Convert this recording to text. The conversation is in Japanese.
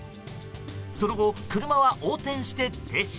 その後、車は横転して停止。